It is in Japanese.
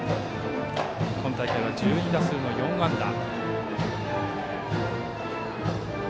今大会は１２打数の４安打。